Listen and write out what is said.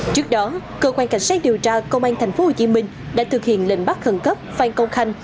trước đó cơ quan cảnh sát điều tra công an tp hcm đã thực hiện lệnh bắt khẩn cấp phan công khanh